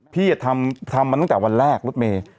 พี่ทำมาตั้งแต่วันแรกรถเมย์